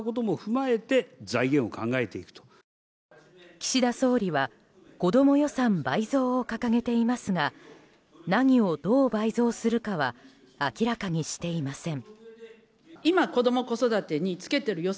岸田総理は子ども予算倍増を掲げていますが何をどう倍増するかは明らかにしていません。